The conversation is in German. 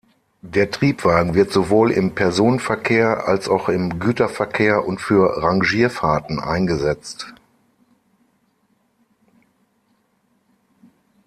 Der Triebwagen wird sowohl im Personenverkehr, als auch im Güterverkehr und für Rangierfahrten eingesetzt.